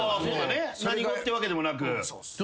何語ってわけでもなく。